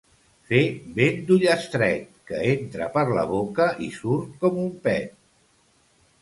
Fer vent d'Ullastret, que entra per la boca i surt com un pet.